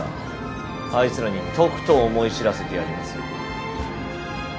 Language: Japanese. あいつらにとくと思い知らせてやりますよ。